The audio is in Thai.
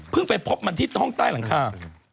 ไปพบมันที่ห้องใต้หลังคา